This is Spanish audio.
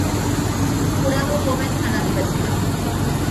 Jurado Joven a la Diversidad.